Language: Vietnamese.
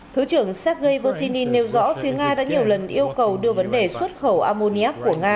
thứ trưởng sergei voshiny nêu rõ phía nga đã nhiều lần yêu cầu đưa vấn đề xuất khẩu armoniac của nga